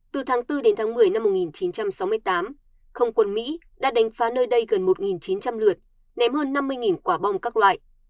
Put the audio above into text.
từ tháng bốn đến tháng một mươi năm một nghìn chín trăm sáu mươi tám không quân mỹ đã đánh phá nơi đây gần một chín trăm linh lượt ném hơn năm mươi quả bom các loại